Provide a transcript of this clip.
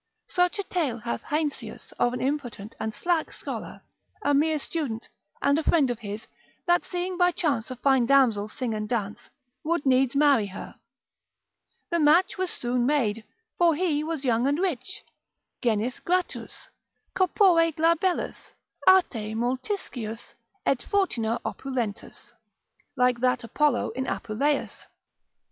Such a tale hath Heinsius of an impotent and slack scholar, a mere student, and a friend of his, that seeing by chance a fine damsel sing and dance, would needs marry her, the match was soon made, for he was young and rich, genis gratus, corpore glabellus, arte multiscius, et fortuna opulentus, like that Apollo in Apuleius.